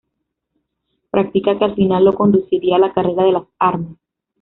Práctica que al final lo conduciría a la carrera de las armas.